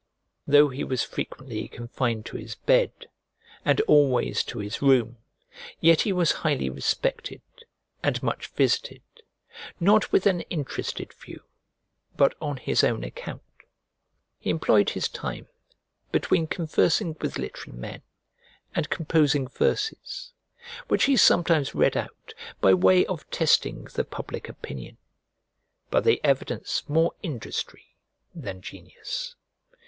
Though he was frequently confined to his bed, and always to his room, yet he was highly respected, and much visited; not with an interested view, but on his own account. He employed his time between conversing with literary men and composing verses; which he sometimes read out, by way of testing the public opinion: but they evidence more industry than genius.